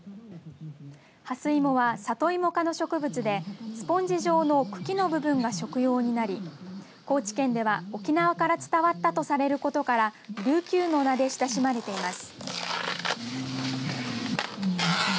ハスイモはサトイモ科の植物でスポンジ状の茎の部分が食用になり高知県では沖縄から伝わったとされることからリュウキュウの名で親しまれています。